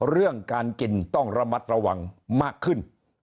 เรื่องการกินต้องระมัดระวังมากขึ้น